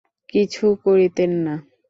কিছু করিতেন না!